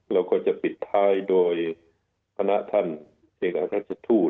แล้วก็จะปิดท้ายโดยพนักท่านเศรษฐ์รัชทูต